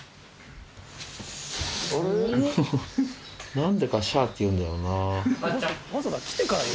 何でか「シャ」って言うんだよな。